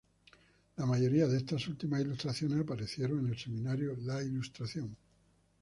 La mayoría de estas últimas ilustraciones aparecieron en el semanario "L'Illustration".